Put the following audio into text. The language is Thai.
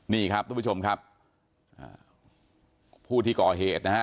นี่ครับทุกผู้ชมครับผู้ที่ก่อเหตุนะฮะ